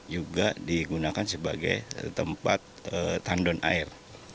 juga digunakan sebagai tempat tandon air